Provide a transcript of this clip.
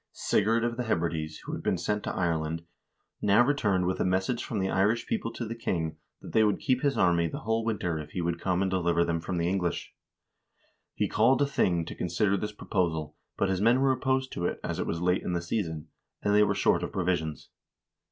Sigurd of the Hebrides, who had been sent to Ireland, now returned with a message from the Irish people to the king that they would keep his army the whole winter if he would come and deliver them from the English. He called a thing to consider this proposal, but his men were opposed to it, as it was late in the season, and they were short of provisions.